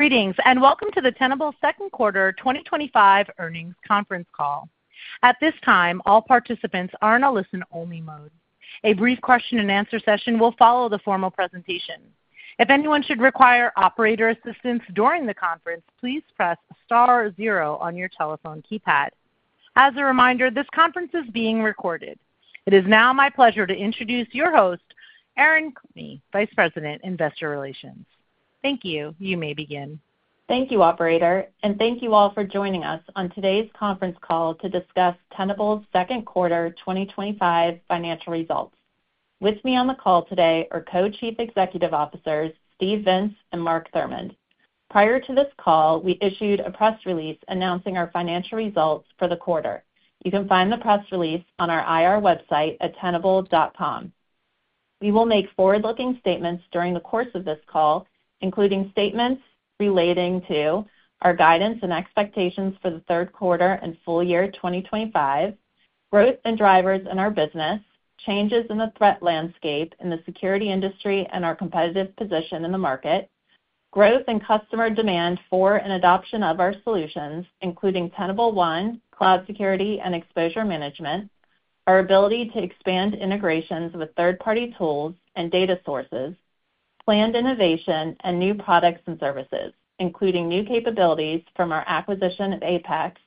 Greetings and welcome to the Tenable Second Quarter 2025 Earnings Conference Call. At this time, all participants are in a listen-only mode. A brief question and answer session will follow the formal presentation. If anyone should require operator assistance during the conference, please press Star 0 on your telephone keypad. As a reminder, this conference is being recorded. It is now my pleasure to introduce your host, Aaron Carney, Vice President Investor Relations. Thank you. You may begin. Thank you, Operator. Thank you all for joining us on today's conference call to discuss Tenable's Second Quarter 2025 financial results. With me on the call today are Co-Chief Executive Officers Steve Vintz and Mark Thurmond. Prior to this call, we issued a press release announcing our financial results for the quarter. You can find the press release on our IR website at tenable.com. We will make forward-looking statements during the course of this call, including statements relating to our guidance and expectations for the third quarter and full year 2025, growth and drivers in our business, changes in the threat landscape in the security industry and our competitive position in the market, growth and customer demand for and adoption of our solutions including Tenable One, cloud security, and Exposure Management, our ability to expand integrations with third-party tools and data sources, planned innovation and new products and services, including new capabilities from our acquisition of Apex,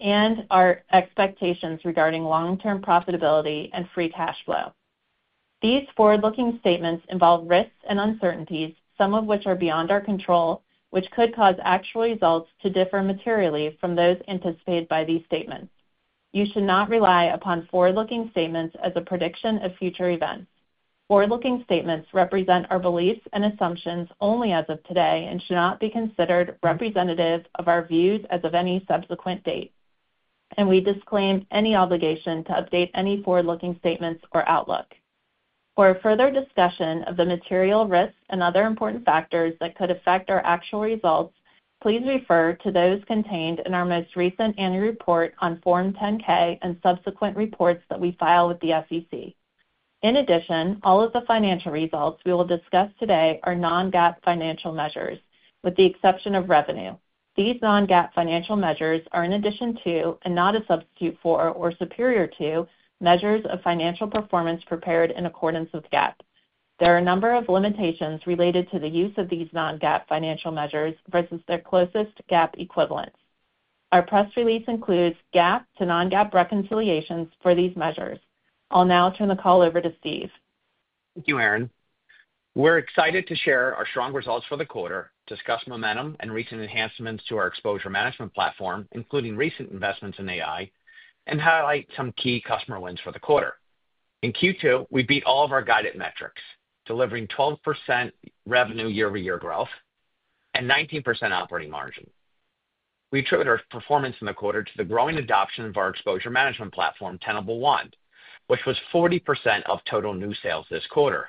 and our expectations regarding long-term profitability and free cash flow. These forward-looking statements involve risks and uncertainties, some of which are beyond our control, which could cause actual results to differ materially from those anticipated by these statements. You should not rely upon forward-looking statements as a prediction of future events. Forward-looking statements represent our beliefs and assumptions only as of today and should not be considered representative of our views as of any subsequent date, and we disclaim any obligation to update any forward-looking statements or outlook. For a further discussion of the material risks and other important factors that could affect our actual results, please refer to those contained in our most recent annual report on Form 10-K and subsequent reports that we file with the SEC. In addition, all of the financial results we will discuss today are non-GAAP financial measures with the exception of revenue. These non-GAAP financial measures are in addition to and not a substitute for or superior to measures of financial performance prepared in accordance with GAAP. There are a number of limitations related to the use of these non-GAAP financial measures versus their closest GAAP equivalents. Our press release includes GAAP to non-GAAP reconciliations for these measures. I'll now turn the call over to Steve. Thank you, Aaron. We're excited to share our strong results for the quarter, discuss momentum and recent enhancements to our Exposure Management platform, including recent investments in AI, and highlight some key customer wins for the quarter. In Q2, we beat all of our guided metrics, delivering 12% revenue year-over-year growth and 19% operating margin. We attribute our performance in the quarter to the growing adoption of our Exposure Management platform, Tenable One, which was 40% of total new sales this quarter.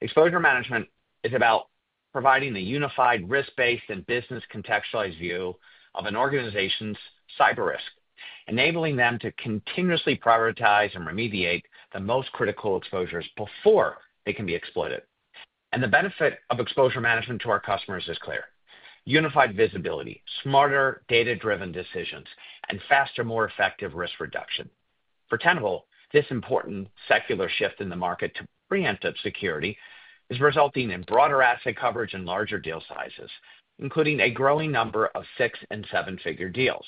Exposure Management is about providing the unified, risk-based, and business-contextualized view of an organization's cyber risk, enabling them to continuously prioritize and remediate the most critical exposures before they can be exploited. The benefit of Exposure Management to our customers is clear: unified visibility, smarter data-driven decisions, and faster, more effective risk reduction. For Tenable, this important secular shift in the market to preemptive security is resulting in broader asset coverage and larger deal sizes, including a growing number of six and seven figure deals.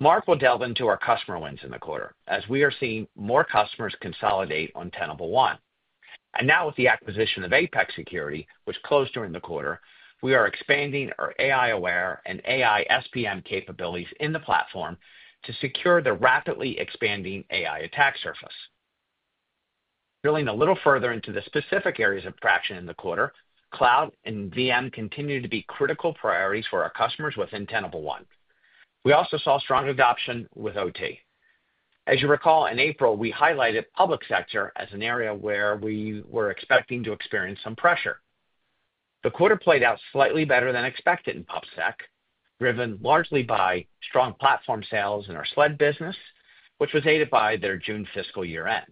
Mark will delve into our customer wins in the quarter as we are seeing more customers consolidate on Tenable One. Now, with the acquisition of Apex Security, which closed during the quarter, we are expanding our AI Aware and AI SPM capabilities in the platform to secure the rapidly expanding AI attack surface. Drilling a little further into the specific areas of traction in the quarter, cloud and VM continue to be critical priorities for our customers. Within Tenable One, we also saw strong adoption with OT. As you recall, in April we highlighted public sector as an area where we were expecting to experience some pressure. The quarter played out slightly better than expected in public sector, driven largely by strong platform sales in our SLED business, which was aided by their June fiscal year end.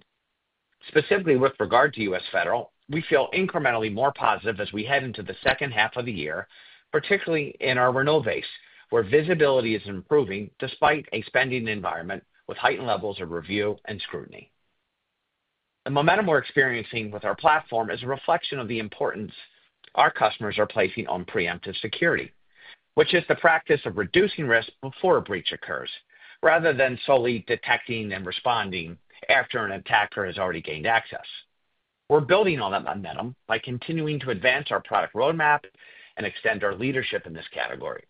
Specifically with regard to U.S. federal, we feel incrementally more positive as we head into the second half of the year, particularly in our renewal base where visibility is improving despite a spending environment with heightened levels of review and scrutiny. The momentum we're experiencing with our platform is a reflection of the importance our customers are placing on preemptive security, which is the practice of reducing risk before a breach occurs rather than solely detecting and responding after an attacker has already gained access. We're building on that momentum by continuing to advance our product roadmap and extend our leadership in this category.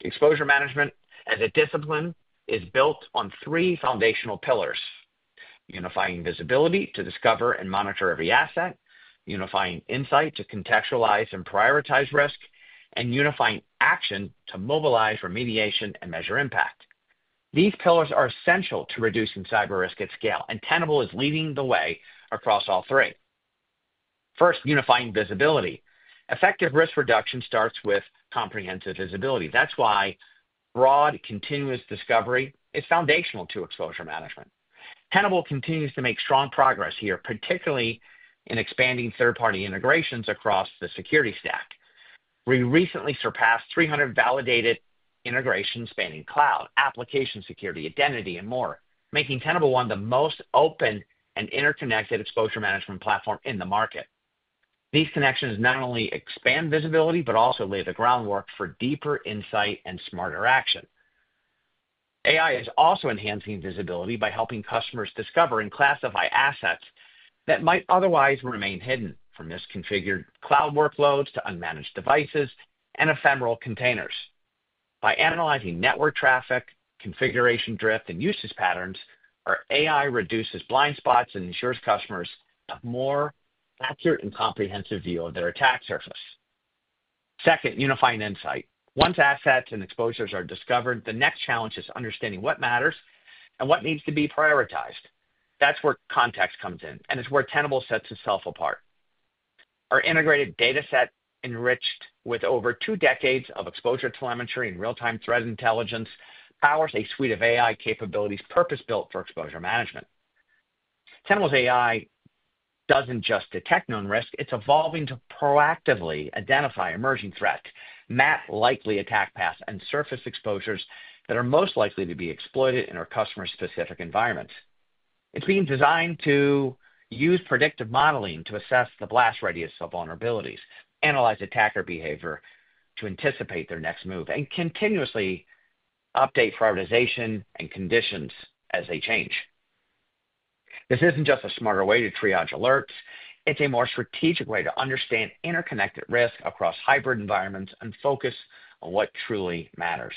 Exposure Management as a discipline is built on three foundational unifying visibility to discover and monitor every asset, unifying insight to contextualize and prioritize risk, and unifying action to mobilize remediation and measure impact. These pillars are essential to reducing cyber risk at scale, and Tenable is leading the way across all three. First, Unifying Visibility. Effective risk reduction starts with comprehensive visibility. That's why broad, continuous discovery is foundational to Exposure Management. Tenable continues to make strong progress here, particularly in expanding third-party integrations across the security stack. We recently surpassed 300 validated integrations spanning cloud, application, security, identity, and more, making Tenable One the most open and interconnected Exposure Management platform in the market. These connections not only expand visibility but also lay the groundwork for deeper insight and smarter action. AI is also enhancing visibility by helping customers discover and classify assets that might otherwise remain hidden, from misconfigured cloud workloads to unmanaged devices and ephemeral containers. By analyzing network traffic, configuration drift, and usage patterns, our AI reduces blind spots and ensures customers a more accurate and comprehensive view of their attack surface. Second, Unifying Insight. Once assets and exposures are discovered, the next challenge is understanding what matters and what needs to be prioritized. That's where context comes in, and it's where Tenable sets itself apart. Our integrated data set, enriched with over two decades of exposure, telemetry, and real-time threat intelligence, powers a suite of AI capabilities purpose-built for Exposure Management. Sentinel's AI doesn't just detect known risk, it's evolving to proactively identify emerging threats, map likely attack paths, and surface exposures that are most likely to be exploited in our customer-specific environments. It's being designed to use predictive modeling to assess the blast radius of vulnerabilities, analyze attacker behavior to anticipate their next move, and continuously update prioritization and conditions as they change. This isn't just a smarter way to triage alerts, it's a more strategic way to understand interconnected risk across hybrid environments and focus on what truly matters.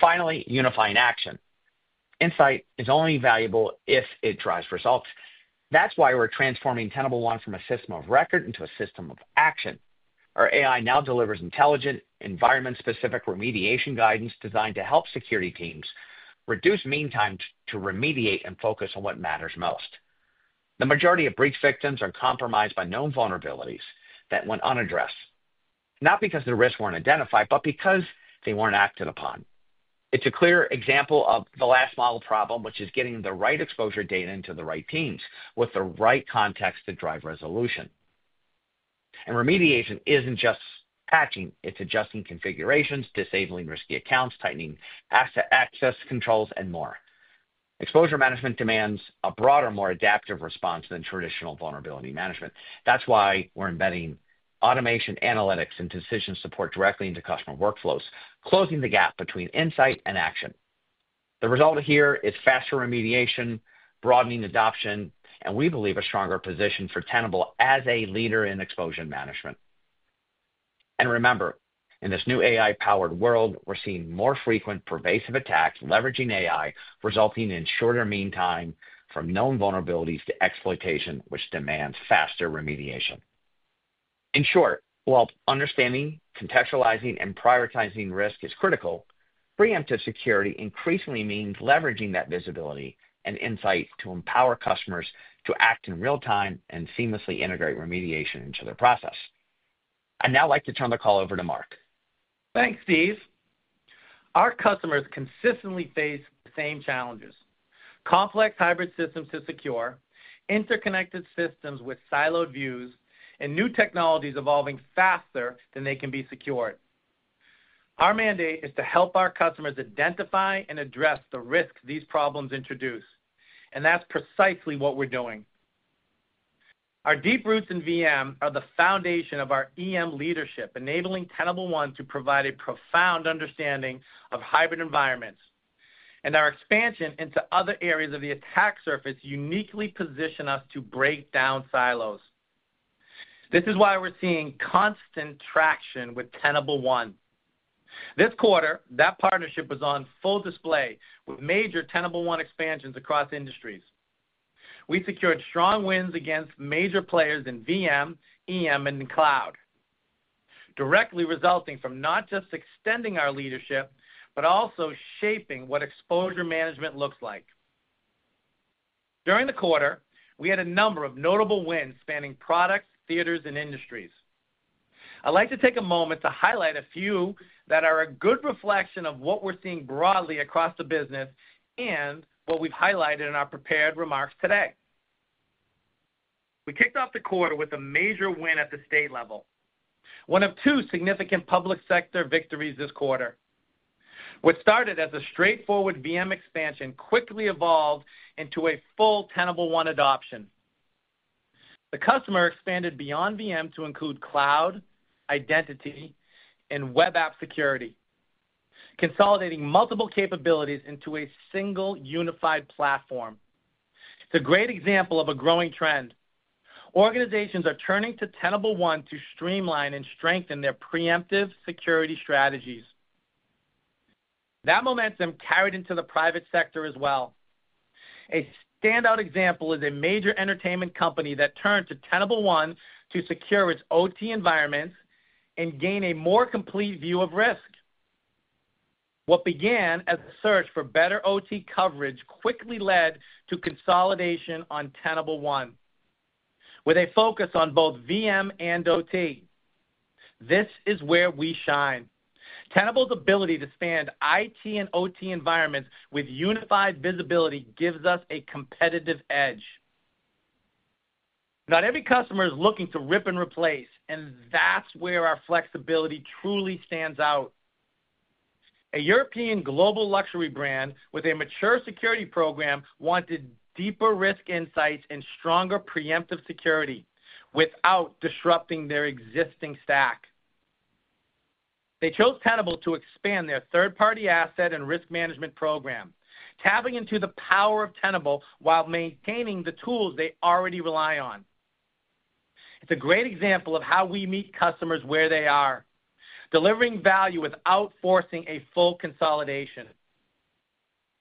Finally, unifying action insight is only valuable if it drives results. That's why we're transforming Tenable One from a system of record into a system of action. Our AI now delivers intelligent environment-specific remediation guidance designed to help security teams reduce mean time to remediate and focus on what matters most. The majority of breach victims are compromised by known vulnerabilities that went unaddressed not because the risks weren't identified, but because they weren't acted upon. It's a clear example of the last mile problem, which is getting the right exposure data into the right teams with the right context to drive resolution. Remediation isn't just patching, it's adjusting configurations, disabling risky accounts, tightening access controls, and more. Exposure Management demands a broader, more adaptive response than traditional Vulnerability Management. That's why we're embedding automation, analytics, and decision support directly into customer workflows, closing the gap between insight and action. The result here is faster remediation, broadening adoption, and, we believe, a stronger position for Tenable as a leader in Exposure Management. Remember, in this new AI-powered world, we're seeing more frequent pervasive attacks leveraging AI, resulting in shorter mean time from known vulnerabilities to exploitation, which demands faster remediation. In short, while understanding, contextualizing, and prioritizing risk is critical, preemptive security increasingly means leveraging that visibility and insight to empower customers to act in real time and seamlessly integrate remediation into their process. I'd now like to turn the call over to Mark. Thanks, Steve. Our customers consistently face the same challenges: complex hybrid systems to secure, interconnected systems with siloed views, and new technologies evolving faster than they can be secured. Our mandate is to help our customers identify and address the risks these problems introduce. That's precisely what we're doing. Our deep roots in VM are the foundation of our EM leadership, enabling Tenable One to provide a profound understanding of hybrid environments, and our expansion into other areas of the attack surface uniquely positions us to break down silos. This is why we're seeing constant traction with Tenable One this quarter. That partnership was on full display with major Tenable One expansions across industries. We secured strong wins against major players in VM, EM, and cloud, directly resulting from not just extending our leadership, but also shaping what Exposure Management looks like. During the quarter, we had a number of notable wins spanning products, theaters, and industries. I'd like to take a moment to highlight a few that are a good reflection of what we're seeing broadly across the business and what we've highlighted in our prepared remarks. We kicked off the quarter with a major win at the state level, one of two significant public sector victories this quarter. What started as a straightforward VM expansion quickly evolved into a full Tenable One adoption. The customer expanded beyond VM to include cloud identity and web app security, consolidating multiple capabilities into a single, unified platform. It's a great example of a growing trend. Organizations are turning to Tenable One to streamline and strengthen their preemptive security strategies. That momentum carried into the private sector as well. A standout example is a major entertainment company that turned to Tenable One to secure its OT environment and gain a more complete view of risk. What began as a search for better OT coverage quickly led to consolidation on Tenable One with a focus on both VM and OT. This is where we shine. Tenable's ability to span IT and OT environments with unified visibility gives us a competitive edge. Not every customer is looking to rip and replace, and that's where our flexibility truly stands out. A European global luxury brand with a mature security program wanted deeper risk insights and stronger preemptive security without disrupting their existing stack. They chose Tenable to expand their third party asset and risk management program, tapping into the power of Tenable while maintaining the tools they already rely on. It's a great example of how we meet customers where they are, delivering value without forcing a full consolidation.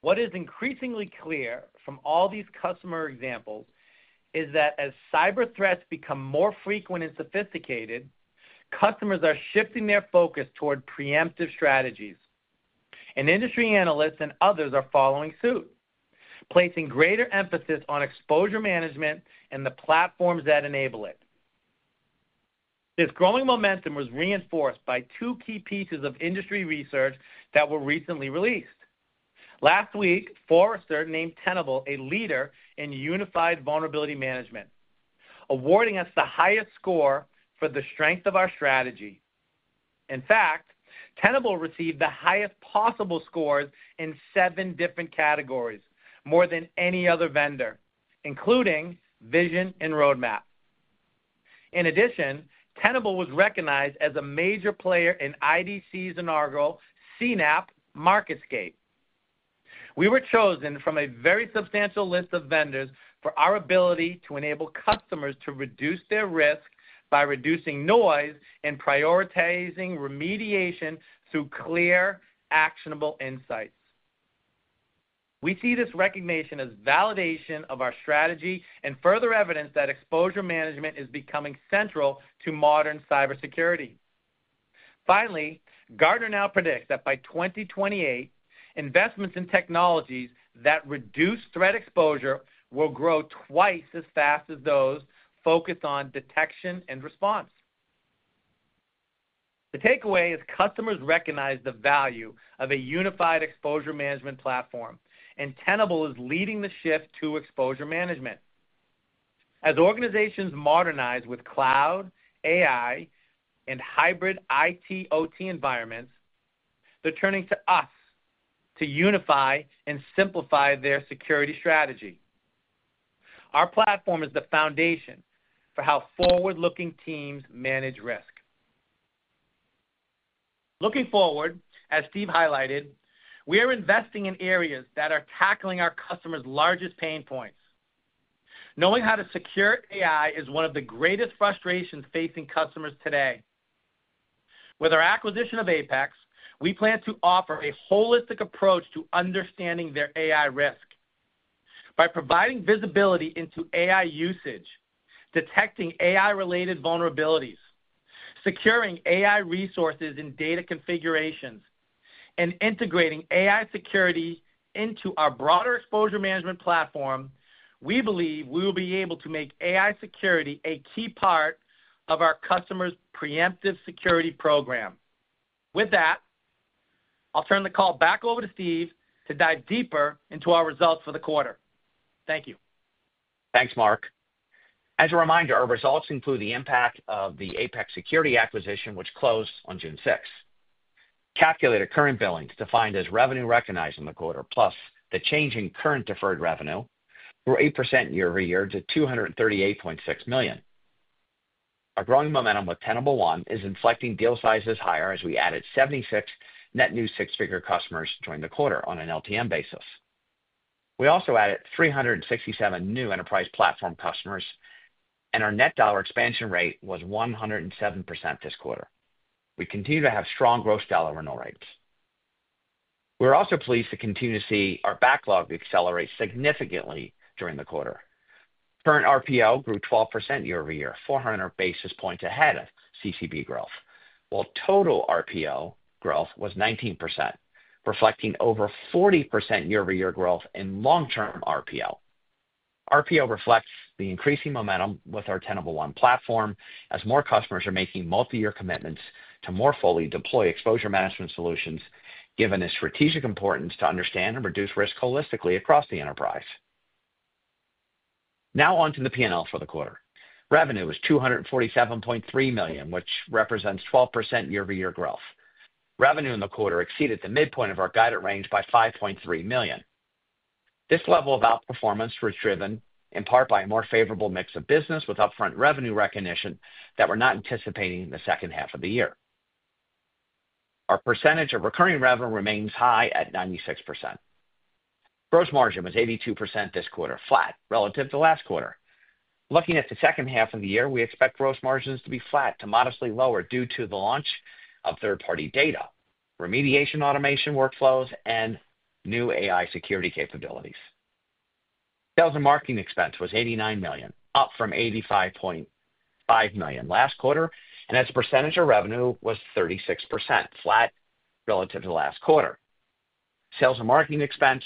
What is increasingly clear from all these customer examples is that as cyber threats become more frequent and sophisticated, customers are shifting their focus toward preemptive strategies, and industry analysts and others are following suit, placing greater emphasis on Exposure Management and the platforms that enable it. This growing momentum was reinforced by two key pieces of industry research that were recently released. Last week, Forrester named Tenable a leader in unified Vulnerability Management, awarding us the highest score for the strength of our strategy. In fact, Tenable received the highest possible scores in seven different categories, more than any other vendor, including Vision and Roadmap. In addition, Tenable was recognized as a major player in IDC's inaugural CNAPP MarketScape. We were chosen from a very substantial list of vendors for our ability to enable customers to reduce their risk by reducing noise and prioritizing remediation through clear, actionable insights. We see this recognition as validation of our strategy and further evidence that Exposure Management is becoming central to modern cybersecurity. Finally, Gartner now predicts that by 2028, investments in technologies that reduce threat exposure will grow twice as fast as those focused on detection and response. The takeaway is customers recognize the value of a unified Exposure Management platform, and Tenable is leading the shift to Exposure Management. As organizations modernize with cloud, AI, and hybrid IT OT environments, they're turning to us to unify and simplify their security strategy. Our platform is the foundation for how forward looking teams manage risk. Looking forward, as Steve highlighted, we are investing in areas that are tackling our customers' largest pain points. Knowing how to secure AI is one of the greatest frustrations facing customers today. With our acquisition of Apex, we plan to offer a holistic approach to understanding their AI risk. By providing visibility into AI usage, detecting AI-related vulnerabilities, securing AI resources and data configurations, and integrating AI security into our broader Exposure Management platform, we believe we will be able to make AI security a key part of our customers' preemptive security program. With that, I'll turn the call back over to Steve to dive deeper into our results for the quarter. Thank you. Thanks Mark. As a reminder, our results include the impact of the Apex Security acquisition which closed on June 6th. Calculated Current Billings, defined as revenue recognized in the quarter plus the change in current deferred revenue, grew 8% year over year to $238.6 million. Our growing momentum with Tenable One is inflecting deal sizes higher as we added 76 net new six-figure customers during the quarter on an LTM basis. We also added 367 new enterprise platform customers, and our net dollar expansion rate was 107% this quarter. We continue to have strong gross dollar renewal rates. We're also pleased to continue to see our backlog accelerate significantly during the quarter. Current RPO grew 12% year-over-year, 400 basis points ahead of CCB growth, while total RPO growth was 19%, reflecting over 40% year-over-year growth in long-term RPO. RPO reflects the increasing momentum with our Tenable One platform as more customers are making multi-year commitments to more fully deploy Exposure Management solutions given its strategic importance to understand and reduce risk holistically across the enterprise. Now on to the P&L. For the quarter, revenue was $247.3 million, which represents 12% year-over-year growth. Revenue in the quarter exceeded the midpoint of our guided range by $5.3 million. This level of outperformance was driven in part by a more favorable mix of business with upfront revenue recognition that we're not anticipating in the second half of the year. Our percentage of recurring revenue remains high at 96%. Gross margin was 82% this quarter, flat relative to last quarter. Looking at the second half of the year, we expect gross margins to be flat to modestly lower due to the launch of third-party data, remediation automation workflows, and new AI security capabilities. Sales and marketing expense was $89 million, up from $85 million last quarter, and as a percentage of revenue was 36%, flat relative to last quarter. Sales and marketing expense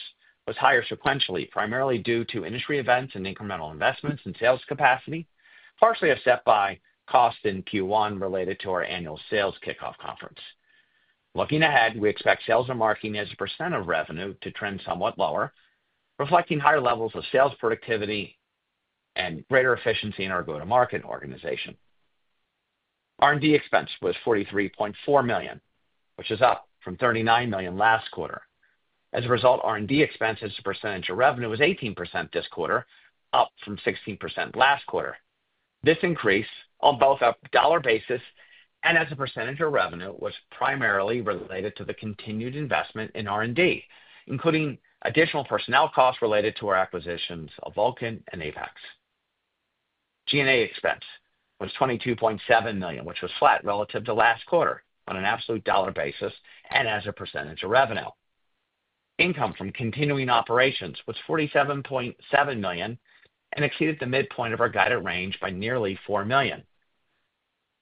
was higher sequentially primarily due to industry events and incremental investments in sales capacity, partially offset by costs in Q1 related to our annual sales kickoff conference. Looking ahead, we expect sales and marketing as a percent of revenue to trend somewhat lower, reflecting higher levels of sales productivity and greater efficiency in our go-to-market organization. R&D expense was $43.4 million, which is up from $39 million last quarter. As a result, R&D expense as a percentage of revenue was 18% this quarter, up from 16% last quarter. This increase on both a dollar basis and as a percentage of revenue was primarily related to the continued investment in R&D, including additional personnel costs related to our acquisitions of Vulcan and Apex. G&A expense was $22.7 million, which was flat relative to last quarter on an absolute dollar basis and as a percentage of revenue. Income from continuing operations was $47.7 million and exceeded the midpoint of our guided range by nearly $4 million.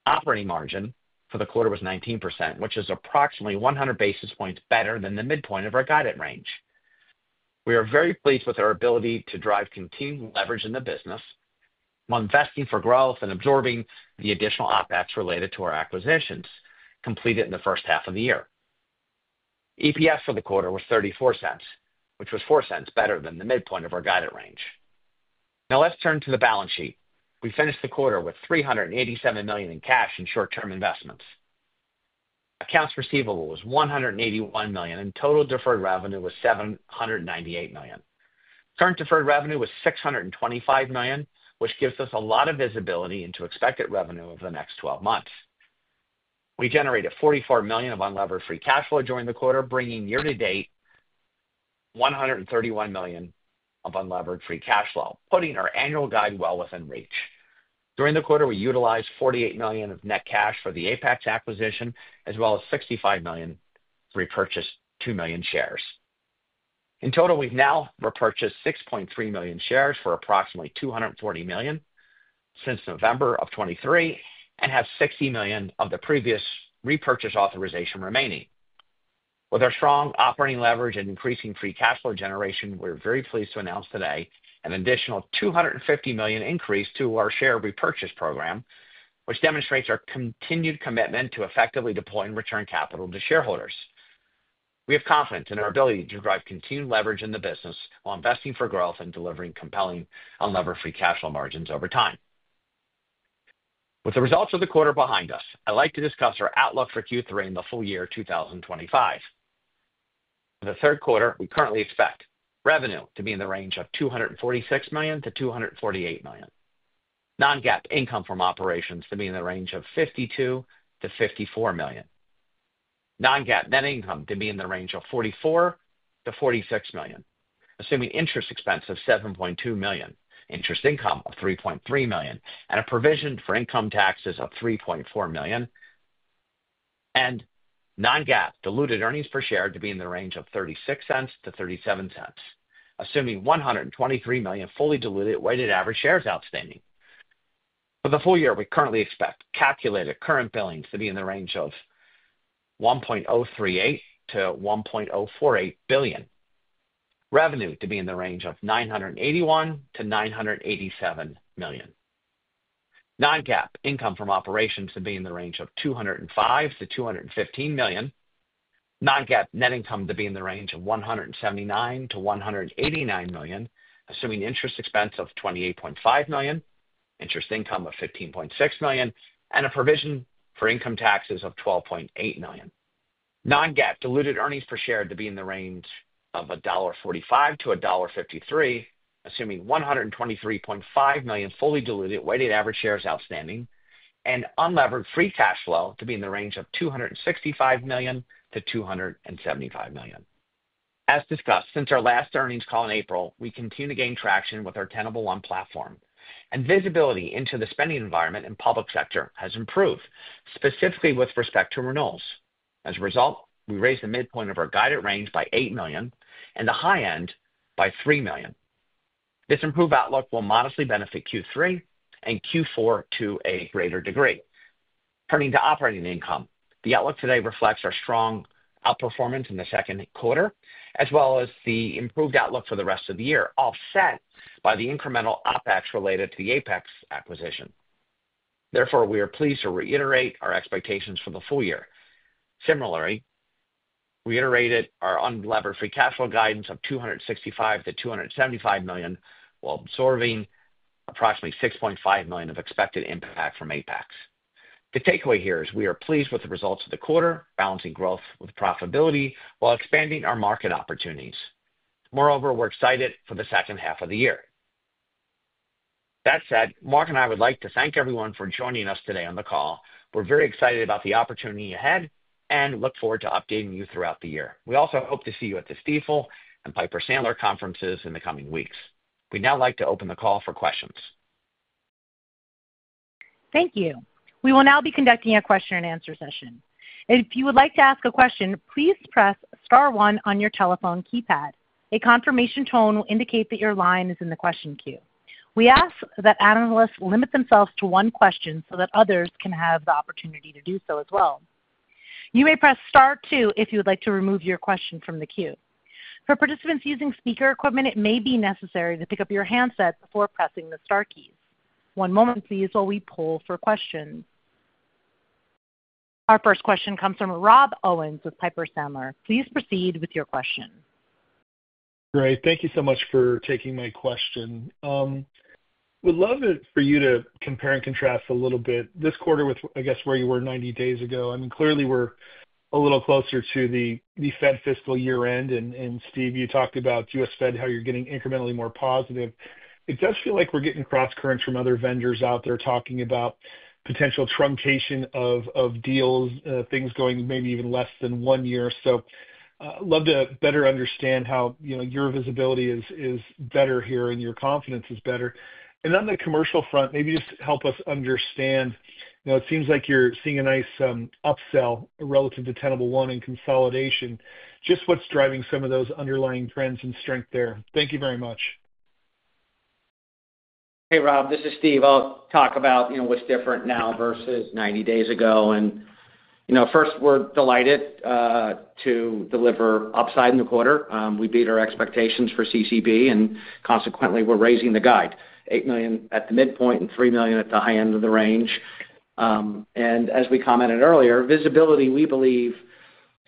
Operating margin for the quarter was 19%, which is approximately 100 basis points better than the midpoint of our guided range. We are very pleased with our ability to drive continued leverage in the business while investing for growth and absorbing the additional OpEx related to our acquisitions completed in the first half of the year. EPS for the quarter was $0.34, which was $0.04 better than the midpoint of our guided range. Now let's turn to the balance sheet. We finished the quarter with $387 million in cash and short term investments. Accounts receivable was $181 million and total deferred revenue was $798 million. Current deferred revenue was $625 million, which gives us a lot of visibility into expected revenue over the next 12 months. We generated $44 million of Unlevered Free Cash Flow during the quarter, bringing year to date $131 million of Unlevered Free Cash Flow, putting our annual guide well within reach. During the quarter we utilized $48 million of net cash for the Apex acquisition as well as $65 million repurchased 2 million shares in total. We've now repurchased 6.3 million shares for approximately $240 million since November of 2023 and have $60 million of the previous repurchase authorization remaining with our strong operating leverage and increasing free cash flow generation. We're very pleased to announce today that an additional $250 million increase to our share repurchase program which demonstrates our continued commitment to effectively deploy and return capital to shareholders. We have confidence in our ability to drive continued leverage in the business while investing for growth and delivering compelling Unlevered Free Cash Flow margins over time. With the results of the quarter behind us, I'd like to discuss our outlook for Q3 in the full year 2025. For the third quarter we currently expect revenue to be in the range of $246 million to $248 million. Non-GAAP income from operations to be in the range of $52 million to $54 million, non-GAAP net income to be in the range of $44 million to $46 million, assuming interest expense of $7.2 million, interest income of $3.3 million, and a provision for income taxes of $3.4 million, and non-GAAP diluted earnings per share to be in the range of $0.36 to $0.37, assuming 123 million fully diluted weighted average shares outstanding for the full year. We currently expect Calculated Current Billings to be in the range of $1.038 billion to $1.048 billion, revenue to be in the range of $981 million to $987 million, non-GAAP income from operations to be in the range of $205 million to $215 million, non-GAAP net income to be in the range of $179 million to $189 million, assuming interest expense of $28.5 million, interest income of $15.6 million, and a provision for income taxes of $12.8 million, non-GAAP diluted earnings per share to be in the range of $1.45 to $1.53, assuming 123.5 million fully diluted weighted average shares outstanding, and Unlevered Free Cash Flow to be in the range of $265 million to $275 million. As discussed since our last earnings call in April, we continue to gain traction with our Tenable One platform, and visibility into the spending environment in the public sector has improved, specifically with respect to renewals. As a result, we raised the midpoint of our guided range by $8 million and the high end by $3 million. This improved outlook will modestly benefit Q3 and Q4 to a greater degree. Turning to operating income, the outlook today reflects our strong outperformance in the second quarter as well as the improved outlook for the rest of the year, offset by the incremental OpEx related to the Apex acquisition. Therefore, we are pleased to reiterate our expectations for the full year. Similarly, we reiterated our Unlevered Free Cash Flow guidance of $265 million to $275 million while absorbing approximately $6.5 million of expected impact from Apex. The takeaway here is we are pleased with the results of the quarter, balancing growth with profitability while expanding our market opportunities. Moreover, we're excited for the second half of the year. That said, Mark and I would like to thank everyone for joining us today on the call. We're very excited about the opportunity ahead and look forward to updating you throughout the year. We also hope to see you at the Stifel and Piper Sandler conferences in the coming weeks. We'd now like to open the call for questions. Thank you. We will now be conducting a question and answer session. If you would like to ask a question, please press Star one on your telephone keypad. A confirmation tone will indicate that your line is in the question queue. We ask that analysts limit themselves to one question so that others can have the opportunity to do so as well. You may press Star two if you would like to remove your question from the queue. For participants using speaker equipment, it may be necessary to pick up your handset before pressing the star keys. One moment please. While we poll for questions, our first question comes from Rob Owens with Piper Sandler. Please proceed with your question. Great. Thank you so much for taking my question. Would love for you to compare and. Contrast a little bit this quarter. I guess where you were 90 days ago. I mean, clearly we're a little closer to the U.S. federal fiscal year end. Steve, you talked about U.S. federal, how you're getting incrementally more positive. It does feel like we're getting cross currents from other vendors out there talking. About potential truncation of deals, things going. Maybe even less than one year. would love to better understand how your visibility is better here and your confidence is better. On the commercial front, maybe just help us understand, it seems like you're seeing a nice upsell relative to Tenable One and consolidation. Just what's. Driving some of those underlying trends and strength there. Thank you very much. Hey Rob, this is Steve. I'll talk about what's different now versus 90 days ago. First, we're delighted to deliver upside in the quarter. We beat our expectations for CCB and consequently we're raising the guide, $8 million at the midpoint and $3 million at the high end of the range. As we commented earlier, visibility, we believe,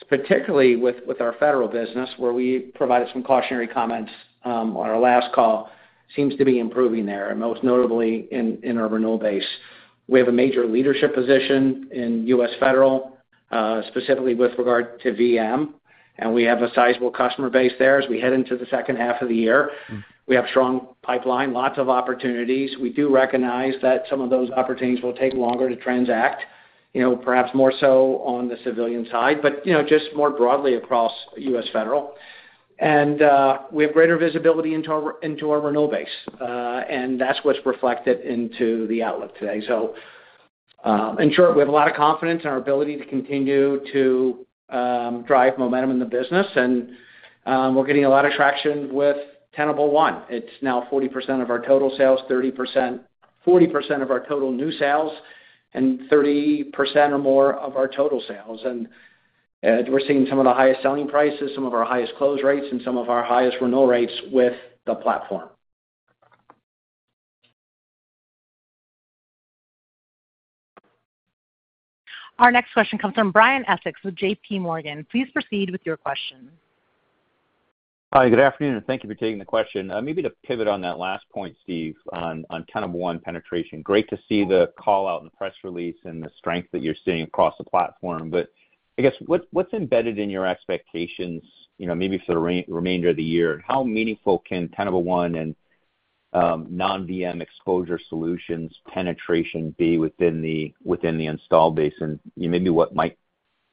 particularly with our federal business, where we provided some cautionary comments on our last call, seems to be improving there and most notably in our renewal base. We have a major leadership position in the U.S. federal specifically with regard to VM and we have a sizable customer base there. As we head into the second half of the year, we have strong pipeline, lots of opportunities. We do recognize that some of those opportunities will take longer to transact, perhaps more so on the civilian side, but just more broadly across the U.S. federal and we have greater visibility into our renewal base and that's what's reflected into the outlook today. In short, we have a lot of confidence in our ability to continue to drive momentum in the business and we're getting a lot of traction with Tenable One. It's now 40% of our total new sales and 30% or more of our total sales. We're seeing some of the highest selling prices, some of our highest close rates and some of our highest renewal rates with the platform. Our next question comes from Brian Essex with JPMorgan. Please proceed with your question. Hi, good afternoon and thank you for. Taking the question, maybe to pivot on that last point, Steve, on Tenable One penetration. Great to see the call out in the press release and the strength that you're seeing across the platform. I guess what's embedded in your expectations, maybe for the remainder of the year? How meaningful can Tenable One and non-VM exposure solutions penetration be within the install base, and maybe what might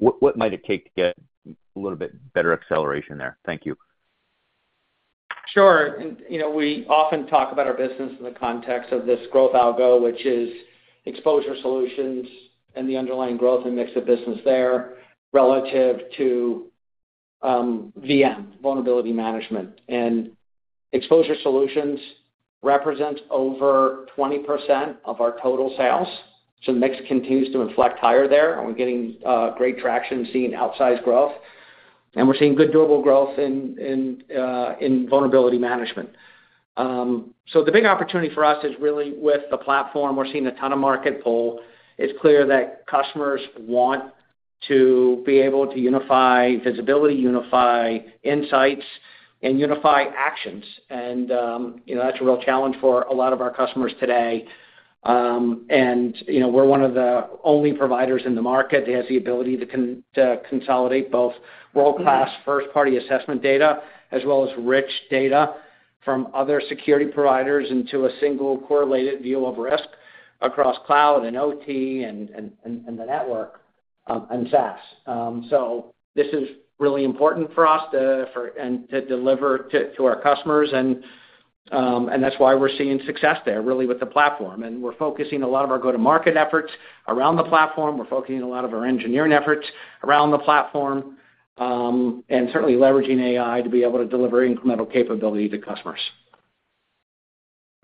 it take to get a little bit better acceleration there? Thank you. Sure. We often talk about our business in the context of this growth algo, which is Exposure Solutions, and the underlying growth and mix of business there relative to VM. Vulnerability Management and exposure solutions represent over 20% of our total sales. Mix continues to inflect higher there, and we're getting great traction, seeing outsized growth, and we're seeing good durable growth in Vulnerability Management. The big opportunity for us is really with the platform. We're seeing a ton of market pull. It's clear that customers want to be able to unify visibility, unify insights, and unify actions. That's a real challenge for a lot of our customers today. We're one of the only providers in the market that has the ability to consolidate both world-class first-party assessment data as well as rich data from other security providers into a single correlated view of risk across cloud and OT and the network and SaaS. This is really important for us to deliver to our customers, and that's why we're seeing success there with the platform. We're focusing a lot of our go-to-market efforts around the platform. We're focusing a lot of our engineering efforts around the platform and certainly leveraging AI to be able to deliver incremental capability to customers.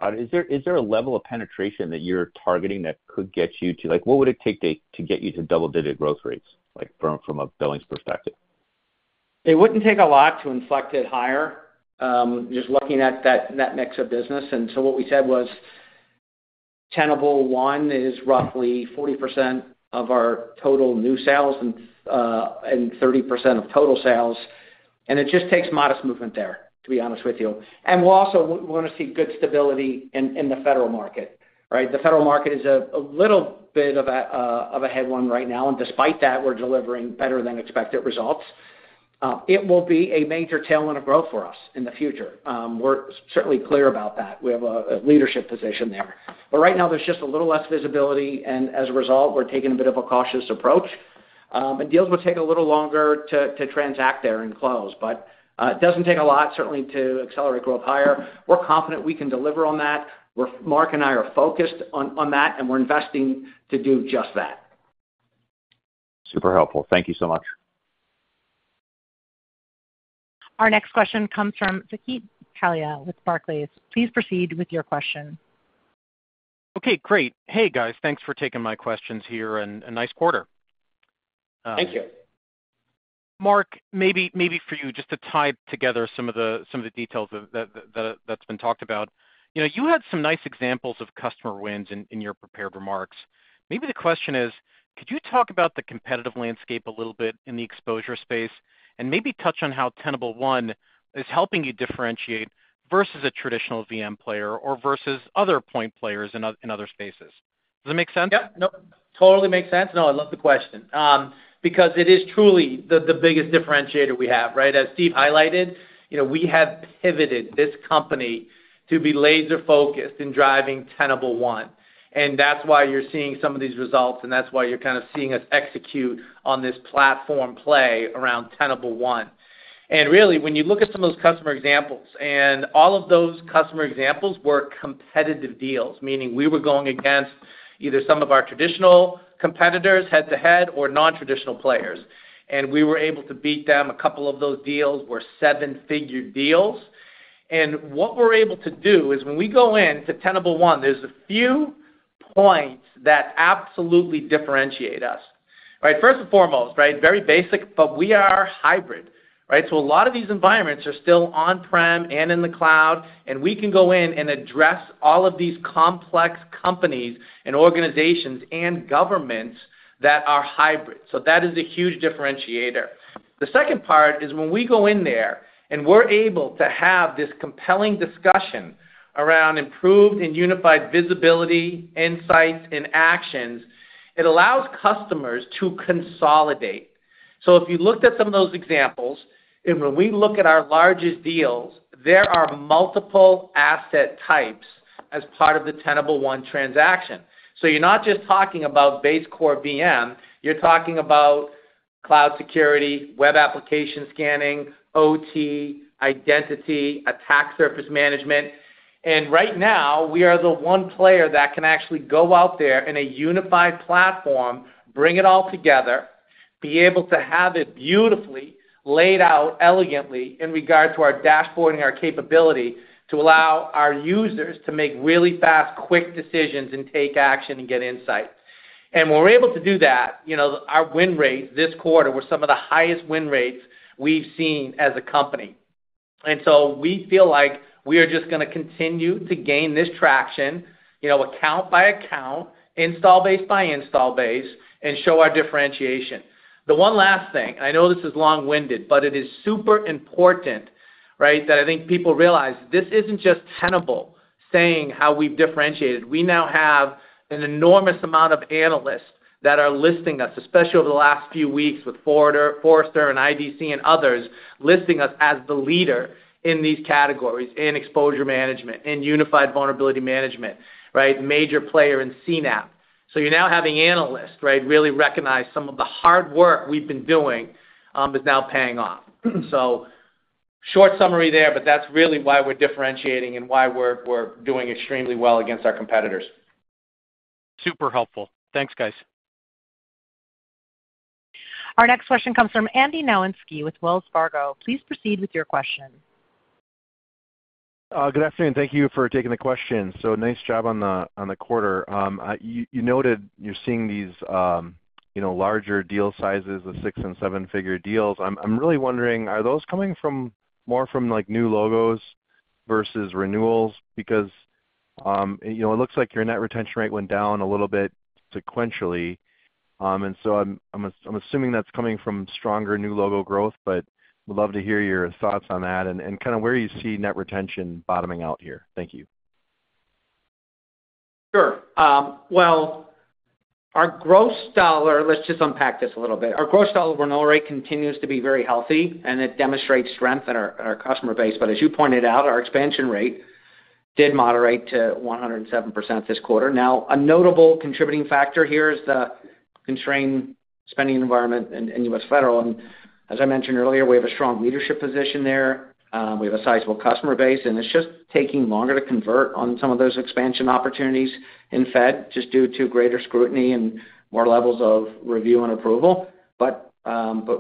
Is there a level of penetration that you're targeting that could get you to, like, what would it take to get you to double digit growth rates? Like, from a billings perspective. it wouldn't take a lot to inflect it higher. Just looking at that mix of business. What we said was Tenable One is roughly 40% of our total new sales and 30% of total sales. It just takes modest movement there, to be honest with you. We also want to see good stability in the U.S. federal market. The federal market is a little bit of a headwind right now. Despite that, we're delivering better than expected results. It will be a major tailwind of growth for us in the future. We're certainly clear about that. We have a leadership position there. Right now there's just a little less visibility and as a result we're taking a bit of a cautious approach and deals will take a little longer to transact there and close. It doesn't take a lot certainly to accelerate growth higher. We're confident we can deliver on that. Mark and I are focused on that and we're investing to do just that. Super helpful. Thank you so much. Our next question comes from Saket Kalia with Barclays. Please proceed with your question. Okay, great. Hey guys, thanks for taking my questions here. Nice quarter. Thank you. Mark, maybe for you, just to tie. Together, some of the details that's been talked about, you had some nice examples. Of customer wins in your prepared remarks. Maybe the question is, could you talk? About the competitive landscape a little bit in the exposure space, and maybe touch on how Tenable One is helping you. Differentiate versus a traditional VM player or versus other point players in other spaces. Does that make sense? Yep. No. Totally makes sense. No. I love the question because it is truly the biggest differentiator we have. As Steve highlighted, we have pivoted this company to be laser focused in driving Tenable One. That's why you're seeing some of these results and that's why you're kind of seeing us execute on this platform play around Tenable One. Really, when you look at some of those customer examples, and all of those customer examples were competitive deals, meaning we were going against either some of our traditional competitors head to head or non-traditional players and we were able to beat them. A couple of those deals were seven-figure deals. What we're able to do is when we go in to Tenable One, there's a few points that absolutely differentiate us. First and foremost, very basic, but we are hybrid. A lot of these environments are still on-prem and in the cloud and we can go in and address all of these complex companies and organizations and governments that are hybrid. That is a huge differentiator. The second part is when we go in there and we are able to have this compelling discussion around improved and unified visibility, insights, and actions. It allows customers to consolidate. If you looked at some of those examples, when we look at our largest deals, there are multiple asset types as part of the Tenable One transaction. You're not just talking about BaseCore VM, you're talking about cloud security, web application scanning, OT, identity, attack surface management. Right now we are the one player that can actually go out there in a unified platform, bring it all together, be able to have it beautifully laid out elegantly in regard to our dashboard and our capability to allow our users to make really fast, quick decisions and take action and get insight. We're able to do that. Our win rates this quarter were some of the highest win rates we've seen as a company. We feel like we are just going to continue to gain this traction account by account, install base by install base, and show our differentiation. The one last thing, I know this is long-winded, but it is super important that I think people realize this isn't just Tenable saying how we've differentiated. We now have an enormous amount of analysts that are listing us, especially over the last few weeks with Forrester and IDC and others listing us as the leader in these categories in Exposure Management and unified Vulnerability Management. Major player in CNAPP. You're now having analysts really recognize some of the hard work we've been doing is now paying off. Short summary there, but that's really why we're differentiating and why we're doing extremely well against our competitors. Super helpful. Thanks, guys. Our next question comes from Andrew Nowinski with Wells Fargo. Please proceed with your question. Good afternoon. Thank you for taking the question. Nice job on the quarter. You noted you're seeing these larger deal sizes, the six and seven figure deals. I'm really wondering, are those coming more from new logos versus renewals? Because it looks like your net retention. Rate went down a little bit sequentially. I'm assuming that's coming from stronger new. Logo growth, but love to hear your. Thoughts on that and kind of where you see net retention bottoming out here. Thank you. Sure. Our gross dollar renewal rate continues to be very healthy, and it demonstrates strength in our customer base. As you pointed out, our expansion rate did moderate to 107% this quarter. A notable contributing factor here is the constrained spending environment in the U.S. federal sector. As I mentioned earlier, we have a strong leadership position there. We have a sizable customer base, and it's just taking longer to convert on some of those expansion opportunities in Fed due to greater scrutiny and more levels of review and approval.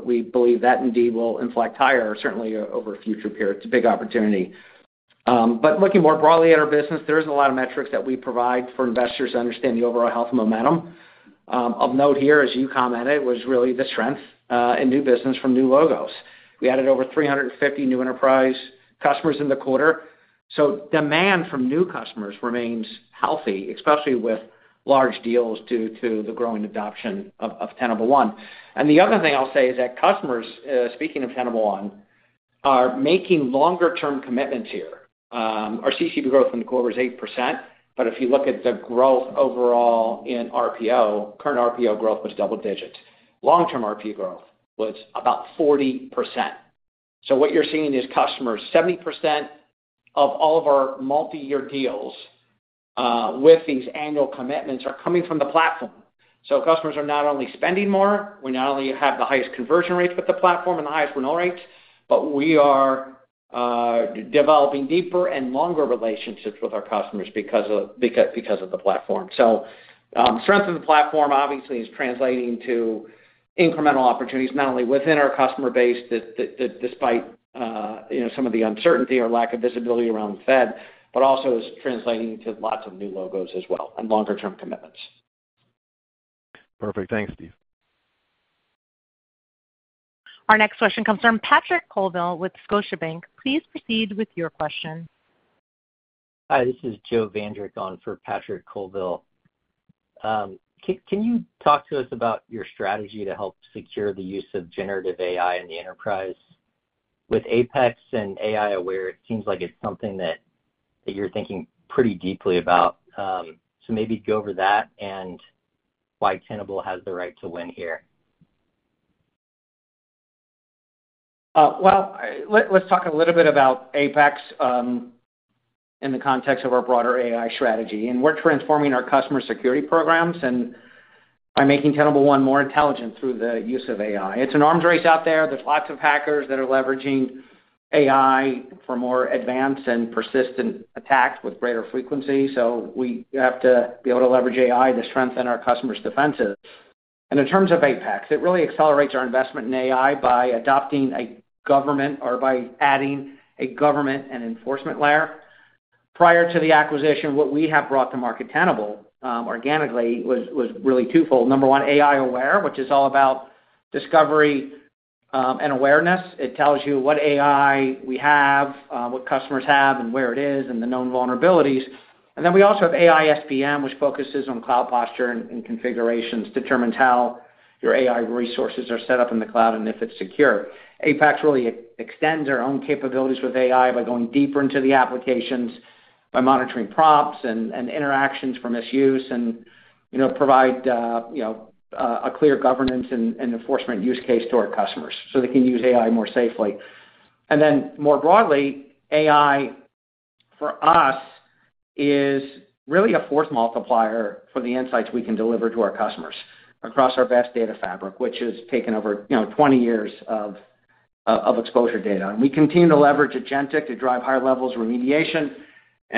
We believe that indeed will inflect higher, certainly over a future period. It's a big opportunity. Looking more broadly at our business, there are a lot of metrics that we provide for investors to understand the overall health and momentum. Of note here, as you commented, was really the strength in new business from new logos. We added over 350 new enterprise customers in the quarter, so demand from new customers remains healthy, especially with large deals due to the growing adoption of Tenable One. The other thing I'll say is that customers, speaking of Tenable One, are making longer term commitments here. Our CCB growth in the quarter is 8%. If you look at the growth overall in RPO, current RPO growth was double digits, long term RPO growth was about 40%. What you're seeing is customers—70% of all of our multi-year deals with these annual commitments are coming from the platform. Customers are not only spending more, we not only have the highest conversion rates with the platform and the highest renewal rates, but we are developing deeper and longer relationships with our customers because of the platform. Strength of the platform obviously is translating to incremental opportunities not only within our customer base, despite some of the uncertainty or lack of visibility around the Fed, but also is translating to lots of new logos as well and longer term commitments. Perfect. Thanks Steve. Our next question comes from Patrick Colville with Scotiabank. Please proceed with your question. Hi, this is Joe Vandrick on for Patrick Colville. Can you talk to us about your. Strategy to help secure the use of generative AI in the enterprise? With Apex and AI Aware, it seems. Like it's something that you're thinking pretty deeply about. Maybe go over that and why. Tenable has the right to win here. Let's talk a little bit about Apex in the context of our broader AI strategy. We're transforming our customer security programs by making Tenable One more intelligent through the use of AI. It's an arms race out there. There are lots of hackers that are leveraging AI for more advanced and persistent attacks with greater frequency. We have to be able to leverage AI to strengthen our customers' defenses. In terms of Apex, it really accelerates our investment in AI by adding a governance and enforcement layer. Prior to the acquisition, what we had brought to market at Tenable organically was really twofold: number one, AI Aware, which is all about discovery and awareness. It tells you what AI we have, what customers have, where it is, and the known vulnerabilities. We also have AI SPM, which focuses on cloud posture and configurations, determines how your AI resources are set up in the cloud, and if it's secure. Apex really extends our own capabilities with AI by going deeper into the applications, by monitoring prompts and interactions for misuse, and provides a clear governance and enforcement use case to our customers so they can use AI more safely and more broadly. AI for us is really a force multiplier for the insights we can deliver to our customers across our vast data fabric, which has taken over 20 years of exposure data. We continue to leverage agentic to drive higher levels of remediation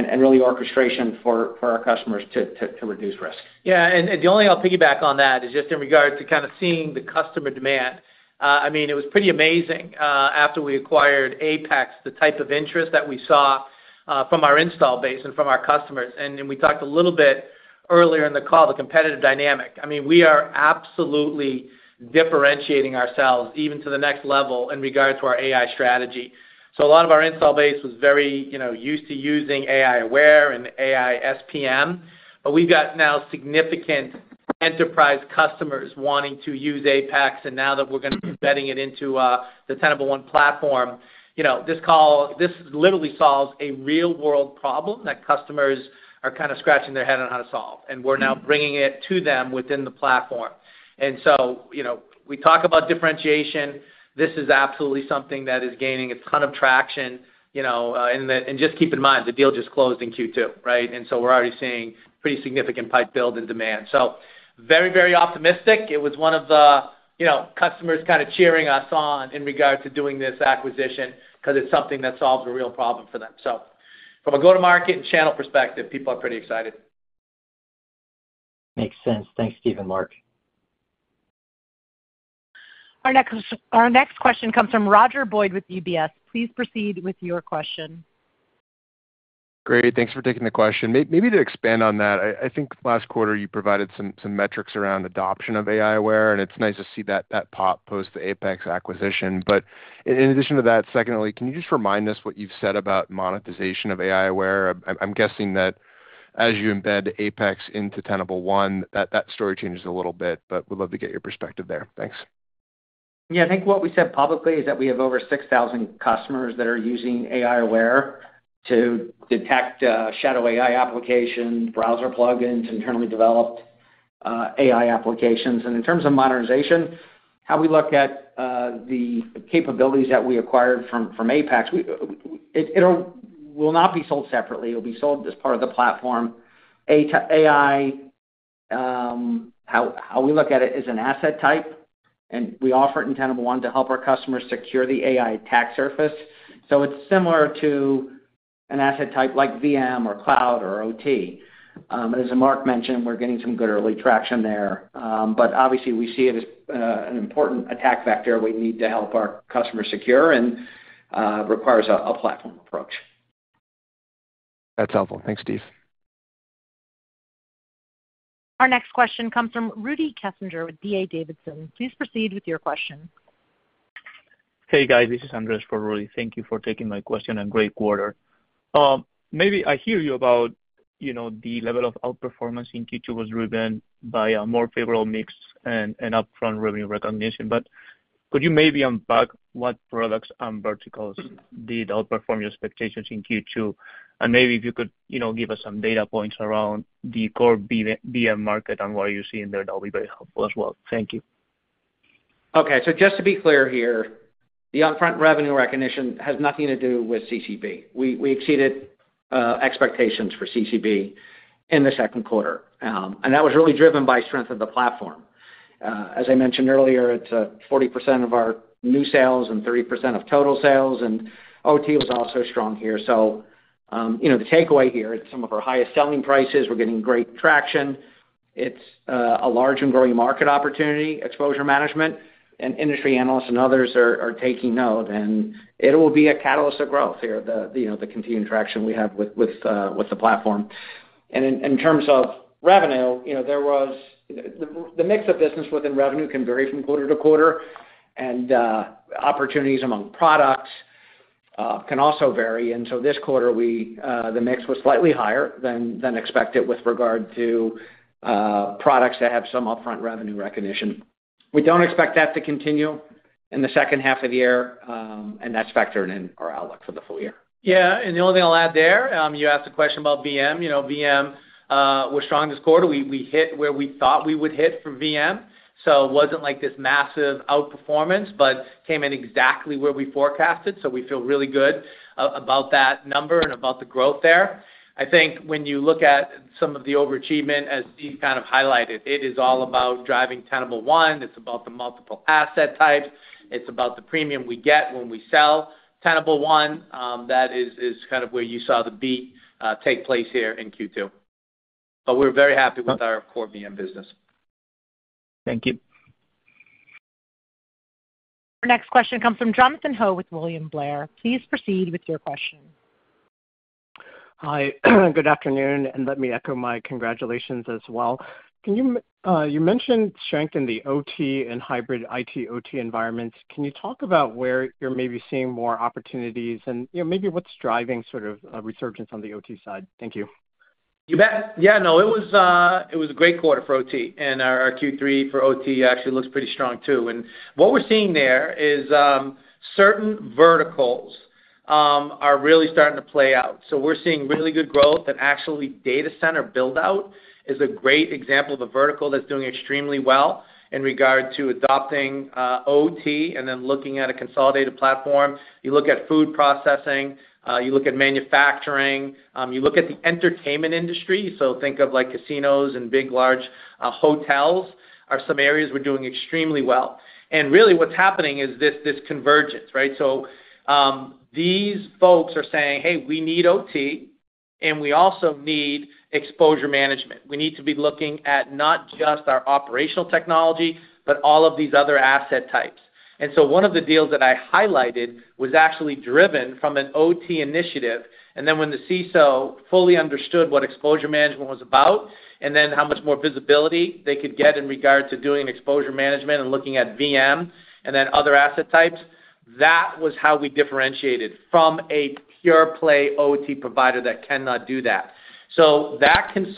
and orchestration for our customers to reduce risk. Yeah, the only thing I'll piggyback on is just in regards to kind of seeing the customer demand. I mean, it was pretty amazing after we acquired Apex, the type of interest that we saw from our install base and from our customers. We talked a little bit earlier in the call about the competitive dynamic. I mean, we are absolutely differentiating ourselves even to the next level in regards to our AI strategy. A lot of our install base was very used to using AI Aware and AI SPM, but we've got now significant enterprise customers wanting to use Apex, and now that we're going to be embedding it into the Tenable One platform, this literally solves a real world problem that customers are kind of scratching their head on how to solve. We're now bringing it to them within the platform. We talk about differentiation. This is absolutely something that is gaining a ton of traction. Just keep in mind the deal just closed in Q2, right, and we're already seeing pretty significant pipe build in demand. Very, very optimistic. It was one of the customers kind of cheering us on in regards to doing this acquisition because it's something that solves a real problem for them. From a go to market and. Channel perspective, people are pretty excited. Makes sense. Thanks, Steve and Mark. Our next question comes from Roger Boyd with UBS. Please proceed with your question. Great, thanks for taking the question. Maybe to expand on that, I think. Last quarter you provided some metrics around. Adoption of AI Aware and it's nice to see that pop post the Apex acquisition. In addition to that, secondly, can. You just remind us what you've said. About monetization of AI Aware, suggesting that. As you embed Apex into Tenable One. That story changes a little bit. We'd love to get your perspective there. Thanks. Yeah, I think what we said publicly is that we have over 6,000 customers that are using AI Aware to detect shadow AI applications, browser plugins, internally developed AI applications, and in terms of modernization, how we look at the capabilities that we acquired from Apex, it will not be sold separately, it will be sold as part of the platform. AI. How we look at it is an asset type, and we offer it in Tenable One to help our customers secure the AI attack surface. It's similar to an asset type like VM or cloud or OT. As Mark mentioned, we're getting some good early traction there, but obviously we see it as an important attack vector we need to help our customers secure and requires a platform approach. That's helpful. Thanks, Steve. Our next question comes from Rudy Kessinger with D.A. Davidson. Please proceed with your question. Hey guys, this is Andres for Rudy. Thank you for taking my question, and great quarter. Maybe I hear you about, you know, the level of outperformance in Q2 was driven by a more favorable mix and upfront revenue recognition. Could you maybe unpack what products. Did verticals outperform your expectations in Q2? Maybe if you could give us some data points around the core Exposure Management market and what you're seeing there. That will be very helpful as well. Thank you. Okay, just to be clear here, the upfront revenue recognition has nothing to do with CCB. We exceeded expectations for CCB in the second quarter, and that was really driven by strength of the platform. As I mentioned earlier, it's 40% of our new sales and 30% of total sales. OT was also strong here. The takeaway here is it's some of our highest selling prices. We're getting great traction. It's a large and growing market opportunity, Exposure Management, and industry analysts and others are taking note, and it will be a catalyst of growth here. The continued traction we have with the platform and in terms of revenue, there was the mix of business within revenue can vary from quarter to quarter, and opportunities among products can also vary. This quarter, the mix was slightly higher than expected. With regard to products that have some upfront revenue recognition, we don't expect that to continue in the second half of the year, and that's factored in our outlook for the full year. Yeah, and the only thing I'll add there, you asked a question about VM. You know, VM was strong this quarter. We hit where we thought we would hit for VM. It wasn't like this massive outperformance, but came in exactly where we forecasted. We feel really good about that number and about the growth there. I think when you look at some of the overachievement, as Steve kind of highlighted, it is all about driving Tenable One. It's about the multiple asset types. It's about the premium we get when we sell Tenable One. That is kind of where you saw the beat take place here in Q2. We're very happy with our core VM business. Thank you. Our next question comes from Jonathan Ho with William Blair. Please proceed with your question. Hi. Good afternoon. Let me echo my congratulations as well. You mentioned strength in the OT and hybrid IT OT environments. Can you talk about where you're maybe seeing more opportunities and maybe what's driving sort of resurgence on the OT side? Thank you. You bet. Yeah. No, it was a great quarter for OT, and our Q3 for OT actually looks pretty strong, too. What we're seeing there is certain verticals are really starting to play out. We're seeing really good growth. Actually, data center build out is a great example of a vertical that's doing extremely well in regard to adopting OT and then looking at a consolidated platform. You look at food processing, you look at manufacturing, you look at the entertainment industry. Think of casinos and big, large hotels as some areas we're doing extremely well. Really what's happening is this convergence, right? These folks are saying, hey, we need OT, and we also need Exposure Management. We need to be looking at not just our operational technology, but all of these other asset types. One of the deals that I highlighted was actually driven from an OT initiative. When the CISO fully understood what Exposure Management was about and how much more visibility they could get in regard to doing Exposure Management and looking at VM and other asset types, that was how we differentiated from a pure play OT provider that cannot do that. That concern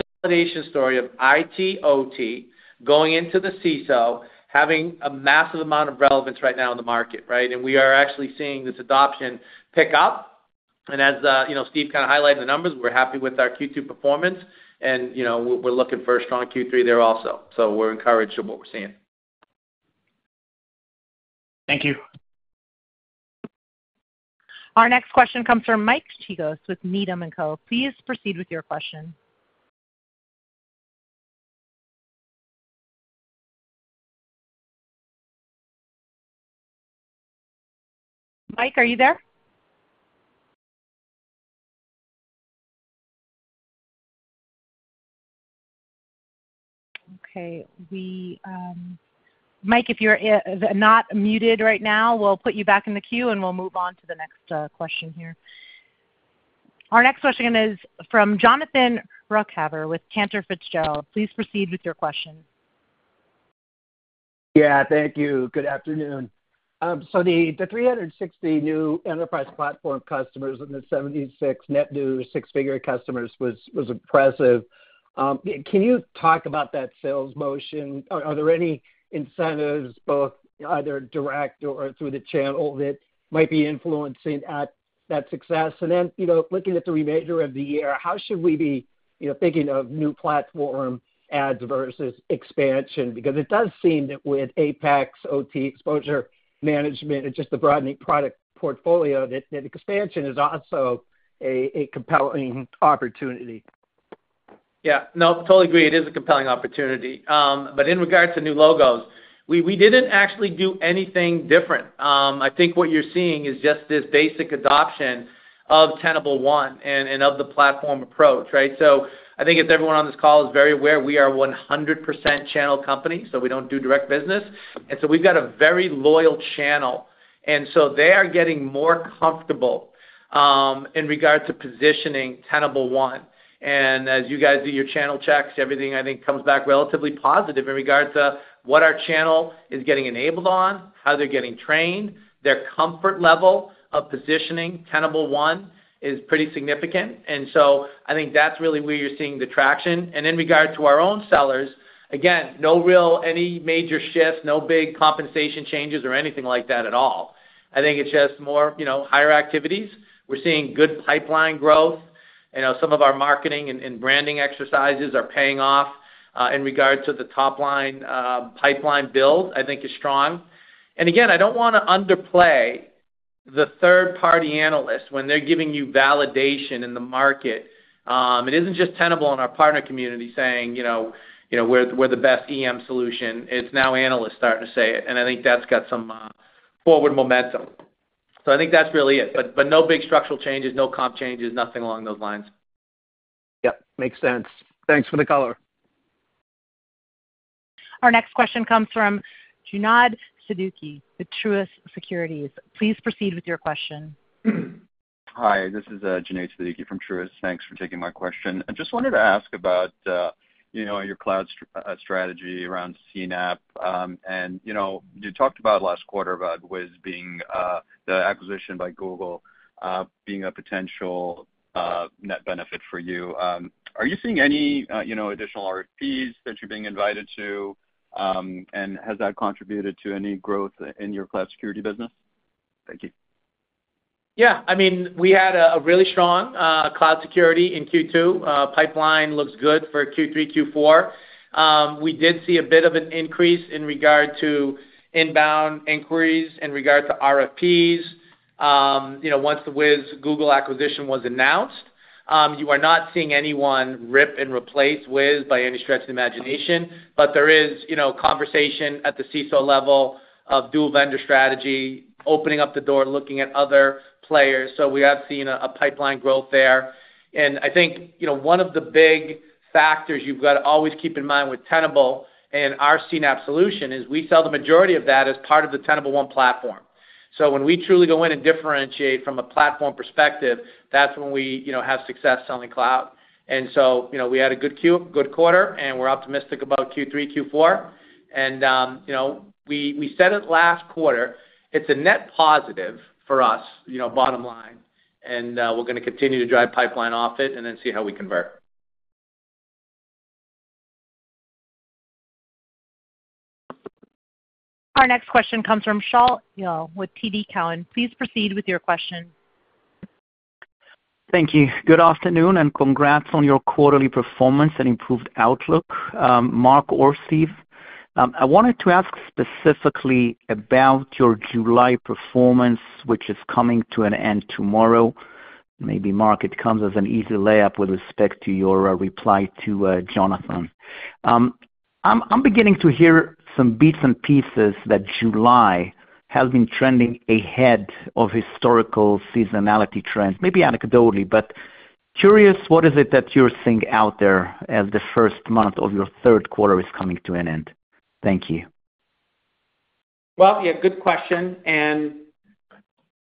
story of IT OT going into the CISO is having a massive amount of relevance right now in the market. We are actually seeing this adoption pick up. As you know, Steve kind of highlighted the numbers. We're happy with our Q2 performance, and we're looking for a strong Q3 there also. We are encouraged of what we're seeing. Thank you. Our next question comes from Mike Cikos with Needham & Co. Please proceed with your question. Mike, are you there? Okay, Mike, if you're not muted right now we'll put you back in the queue and we'll move on to the next question here. Our next question is from Jonathan Ruykhaver with Cantor Fitzgerald. Please proceed with your question. Thank you. Good afternoon. The 360 new enterprise platform customers and the 76 net new six-figure customers was impressive. Can you talk about that sales motion? Are there any incentives, either direct or through the channel, that might be influencing that success? Looking at the remainder of the year, how should we be thinking of new platform add versus expansion? It does seem that with Apex OT Exposure Management and just the broadening product portfolio, expansion is also a compelling opportunity. Yeah, no, totally agree. It is a compelling opportunity. In regards to new logos, we didn't actually do anything different. I think what you're seeing is just this basic adoption of Tenable One and of the platform approach. I think as everyone on this call is very aware, we are 100% channel company, so we don't do direct business, and we've got a very loyal channel. They are getting more comfortable in regards to positioning Tenable One, and as you guys do your channel checks, everything comes back relatively positive in regards to what our channel is getting enabled on, how they're getting trained, and their comfort level of positioning Tenable One is pretty significant. I think that's really where you're seeing the traction. In regard to our own sellers, again, no real major shifts, no big compensation changes or anything like that at all. I think it's just more higher activities. We're seeing good pipeline growth. Some of our marketing and branding exercises are paying off in regard to the top line pipeline build. I think it is strong, and I don't want to underplay the third party analyst when they're giving you validation in the market. It isn't just Tenable in our partner community saying we're the best EM solution, it's now analysts starting to say it, and I think that's got some forward momentum. I think that's really it. No big structural changes, no comp changes, nothing along those lines. Yep, makes sense. Thanks for the color. Our next question comes from Junaid Siddiqui at Truist Securities. Please proceed with your question. Hi, this is Junaid Siddiqui from Truist. Thanks for taking my question. I just wanted to ask about your. Cloud strategy around CNAPP, and you talked. About last quarter, about Wiz being the. Acquisition by Google being a potential net benefit for you. Are you seeing any additional RFPs that? You're being invited to, and has that. Contributed to any growth in your cloud security business? Thank you. Yeah, I mean we had a really strong cloud security in Q2. Pipeline looks good for Q3. Q4. We did see a bit of an increase in regard to inbound inquiries in regard to RFPs once the Wiz-Google acquisition was announced. You are not seeing anyone rip and replace Wiz by any stretch of the imagination, but there is conversation at the CISO level of dual vendor strategy, opening up the door, looking at other players. We have seen a pipeline growth there and I think one of the big factors you've got to always keep in mind with Tenable and our CNAPP solution is we sell the majority of that as part of the Tenable One platform. When we truly go in and differentiate from a platform perspective, that's when we have success selling cloud. We had a good quarter and we're optimistic about Q3, Q4, and we said it last quarter, it's a net positive for us, bottom line. We're going to continue to drive pipeline off it and then see how we convert. Our next question comes from Saket Kalia with Barclays. Please proceed with your question. Thank you. Good afternoon and congrats on your quarterly performance and improved outlook. Mark or Steve, I wanted to ask specifically about your July performance, which is coming to an end tomorrow maybe. Mark, it comes as an easy layup. With respect to your reply to Jonathan, I'm beginning to hear some bits and pieces that July has been trending ahead of historical seasonality trends, maybe anecdotally, but curious. What is it that you're seeing out there as the first month of your. Third quarter is coming to an end. Thank you. Good question.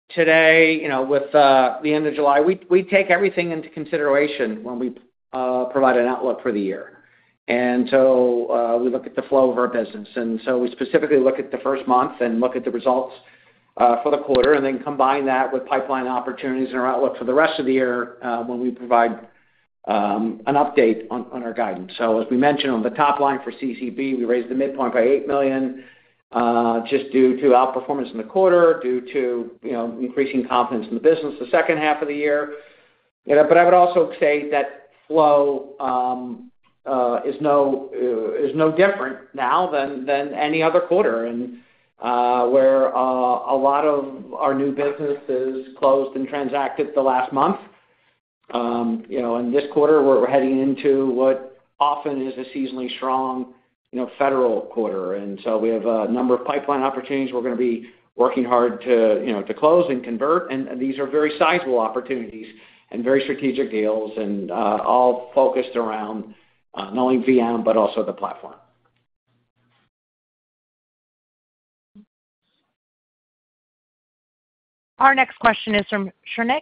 Today, with the end of July, we take everything into consideration when we provide an outlook for the year. We look at the flow of our business and specifically look at the first month and the results for the quarter, then combine that with pipeline opportunities and our outlook for the rest of the year when we provide an update on our guidance. As we mentioned on the top line for CCB, we raised the midpoint by $8 million due to outperformance in the quarter and increasing confidence in the business in the second half of the year. I would also say that flow is no different now than any other quarter, where a lot of our new business is closed and transacted in the last month. This quarter, we're heading into what often is a seasonally strong U.S. federal quarter. We have a number of pipeline opportunities we're going to be working hard to close and convert. These are very sizable opportunities and very strategic deals, all focused around not only VM but also the platform. Our next question is from Shrenik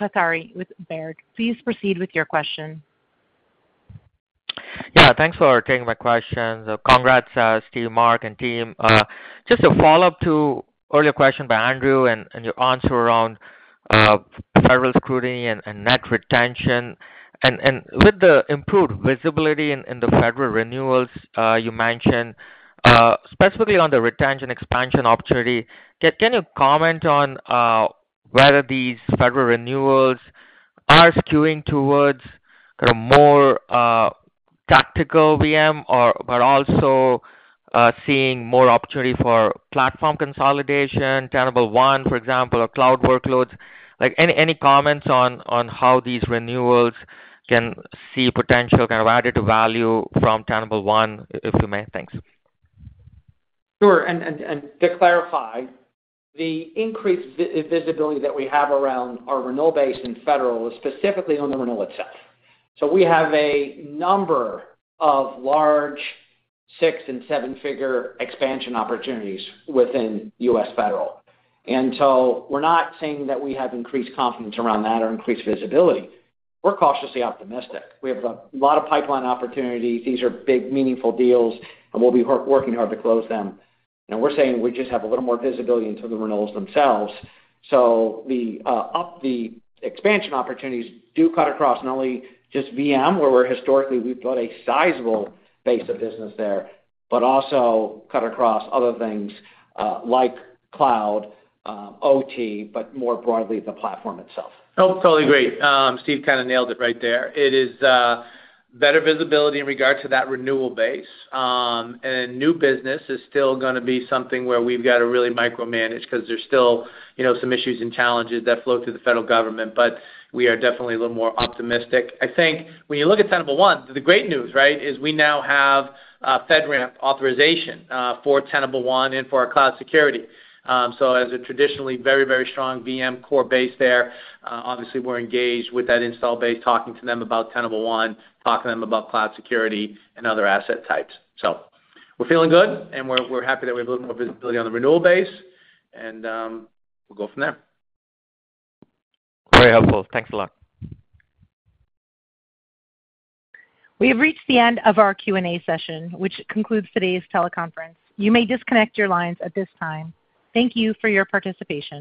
Kathari with Baird. Please proceed with your question. Yeah, thanks for taking my questions. Congrats Steve, Mark and team. Just a follow up to earlier question by Andrew and your answer around federal scrutiny and net retention, and with the improved visibility in the federal renewals you mentioned specifically on the retention expansion opportunity, can you comment on whether these federal renewals are skewing towards more tactical VM but also seeing more opportunity for platform consolidation, Tenable One, for example, or cloud workloads? Any comments on how these renewals can see potential kind of added value from Tenable One, if you may. Thanks. Sure. To clarify, the increased visibility that we have around our renewal base and U.S. federal is specifically on the renewal itself. We have a number of large six and seven figure expansion opportunities within U.S. federal. We're not saying that we have increased confidence around that or increased visibility. We're cautiously optimistic. We have a lot of pipeline opportunities. These are big meaningful deals and we'll be working hard to close them. We're saying we just have a little more visibility into the renewals themselves. The expansion opportunities do cut across not only just VM, where historically we've got a sizable base of business there, but also cut across other things like cloud, OT, but more broadly the platform itself. Totally great. Steve kind of nailed it right there. It is better visibility in regards to that renewal base and new business is still going to be something where we've got to really micro because there's still, you know, some issues and challenges that flow through the U.S. federal government. We are definitely a little more optimistic. I think when you look at Tenable One, the great news, right, is we now have FedRAMP authorization for Tenable One and for our cloud security. As a traditionally very, very strong VM core base there, obviously we're engaged with that install base, talking to them about Tenable One, talking to them about cloud security and other asset types. We're feeling good and we're happy that we have a little more visibility on the renewal base and we'll go from there. Very helpful. Thanks a lot. We have reached the end of our Q&A session, which concludes today's teleconference. You may disconnect your lines at this time. Thank you for your participation.